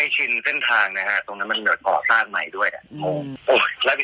อ๋ออันนี้คือเคลียร์กันในรายการจบไปแล้วปะฮะ